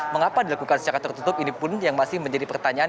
mengapa dilakukan secara tertutup ini pun yang masih menjadi pertanyaan